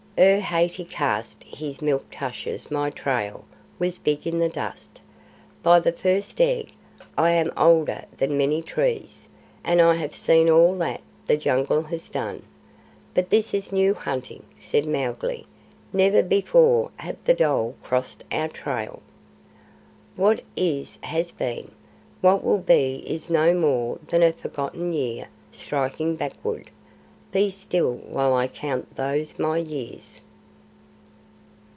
Ere Hathi cast his milk tushes my trail was big in the dust. By the First Egg, I am older than many trees, and I have seen all that the Jungle has done." "But THIS is new hunting," said Mowgli. "Never before have the dhole crossed our trail." "What is has been. What will be is no more than a forgotten year striking backward. Be still while I count those my years."